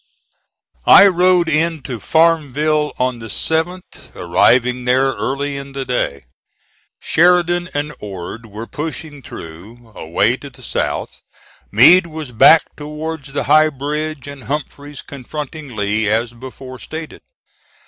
I rode in to Farmville on the 7th, arriving there early in the day. Sheridan and Ord were pushing through, away to the south. Meade was back towards the High Bridge, and Humphreys confronting Lee as before stated.